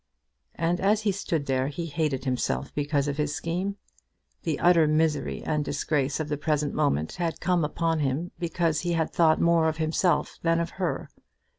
And as he stood there he hated himself because of his scheme. The utter misery and disgrace of the present moment had come upon him because he had thought more of himself than of her.